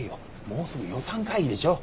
もうすぐ予算会議でしょ。